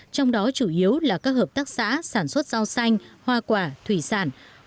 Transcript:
trong đó chủ yếu là các hợp tác xã sản xuất rau xanh hoa quả thủy sản